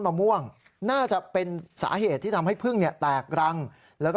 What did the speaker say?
มะม่วงน่าจะเป็นสาเหตุที่ทำให้พึ่งเนี่ยแตกรังแล้วก็